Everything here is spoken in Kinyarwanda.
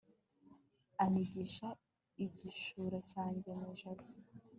anigisha igishura cyanjye mu ijosi